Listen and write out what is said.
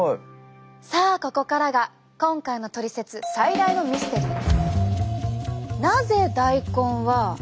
さあここからが今回のトリセツ最大のミステリー。